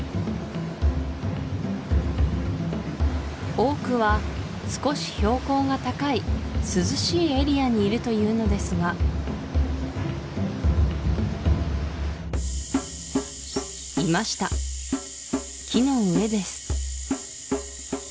多くは少し標高が高い涼しいエリアにいるというのですがいました木の上です